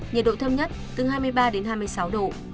nhiệt độ thấp nhất từ hai mươi ba đến hai mươi sáu độ